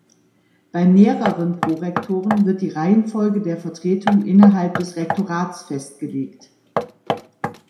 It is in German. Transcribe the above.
Bei mehreren Prorektoren wird die Reihenfolge der Vertretung innerhalb des Rektorats festgelegt.